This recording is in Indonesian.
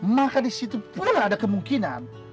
maka di situ pula ada kemungkinan